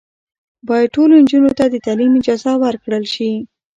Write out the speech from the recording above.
باید ټولو نجونو ته د تعلیم اجازه ورکړل شي.